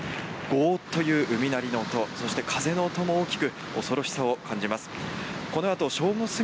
ゴーッという海鳴りの音そして、風も音も大きく恐ろしさを感じます。